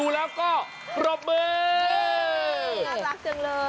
น่ารักจังเลย